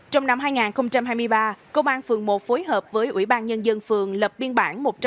trong năm hai nghìn hai mươi ba công an phường một phối hợp với ủy ban nhân dân phường lập biên bản